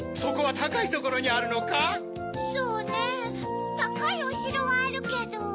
たかいおしろはあるけど。